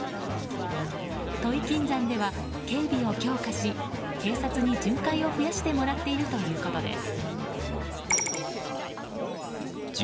土肥金山では警備を強化し警察に巡回を増やしてもらっているということです。